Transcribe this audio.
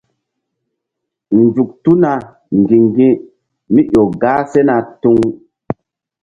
Nzuk tuna ŋgi̧ŋgi̧mí ƴo gah sena tuŋ.